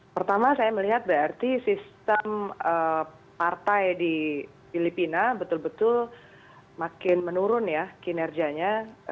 pertama saya melihat berarti sistem partai di filipina betul betul makin menurun ya kinerjanya